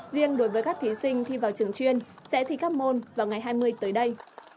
riêng đối với các thí sinh thi vào trường chuyên sẽ thi các môn vào ngày hai mươi tới đây